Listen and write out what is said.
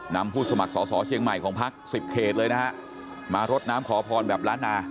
ผู้สมัครสอสอเชียงใหม่ของพักสิบเขตเลยนะฮะมารดน้ำขอพรแบบล้านนา